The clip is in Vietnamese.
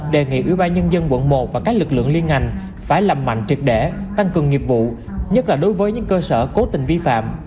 đề nghị ủy ban nhân dân quận một và các lực lượng liên ngành phải làm mạnh trực để tăng cường nghiệp vụ nhất là đối với những cơ sở cố tình vi phạm